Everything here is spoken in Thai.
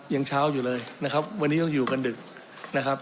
ยังเช้าอยู่เลยนะครับวันนี้ต้องอยู่กันดึกนะครับ